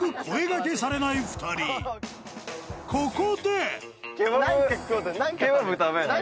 ［ここで］